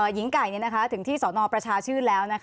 หญิงไก่ถึงที่สนประชาชื่นแล้ว